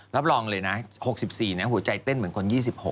รับรองเลยนะ๖๔หัวใจเต้นเหมือนคน๒๖